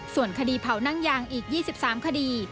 ส่วนคดีเผานั่งยางอีก๒๓คดี